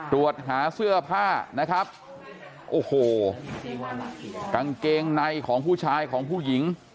ตรวจหาเสื้อผ้านะครับโอ้โหกางเกงในของผู้ชายของผู้หญิง